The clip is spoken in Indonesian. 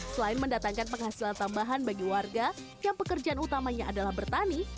selain mendatangkan penghasilan tambahan bagi warga yang pekerjaan utamanya adalah bertani